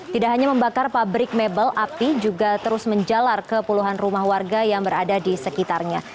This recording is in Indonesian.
tidak hanya membakar pabrik mebel api juga terus menjalar ke puluhan rumah warga yang berada di sekitarnya